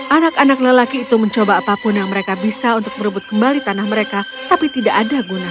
anak anak lelaki itu mencoba apapun yang mereka bisa untuk merebut kembali tanah mereka tapi tidak ada guna